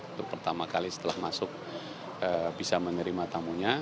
untuk pertama kali setelah masuk bisa menerima tamunya